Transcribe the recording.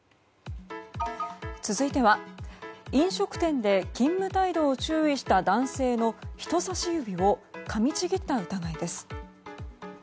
続いては、飲食店で勤務態度を注意した男性の人さし指をかみちぎった疑いです。